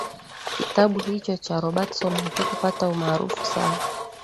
kitabu hicho cha robertson hakikupata umaarufu sana